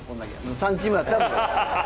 ３チームだったら。